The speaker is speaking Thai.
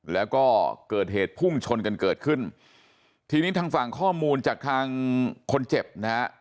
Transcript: แล้วก็เกิดเหตุพุ่งชนกันเกิดขึ้นทีนี้ทางฝั่งข้อมูลจากทางคนเจ็บนะฮะ